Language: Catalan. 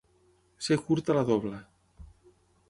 Ser curta la dobla.